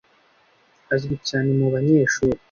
Azwi cyane mubanyeshuri.